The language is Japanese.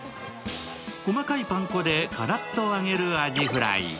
細かいパン粉でカラッと揚げるアジフライ。